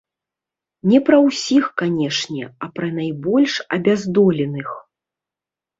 Не пра ўсіх, канешне, а пра найбольш абяздоленых.